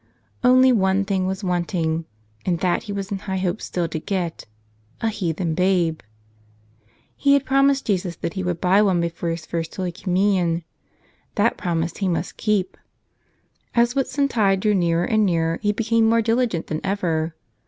Only one thing was wanting and that he was in high hopes still to get: a heathen babe. He had promised Jesus that he would buy one before his First Holy Com¬ munion. That promise he must keep. As Whitsuntide drew nearer and nearer he became more diligent than ever.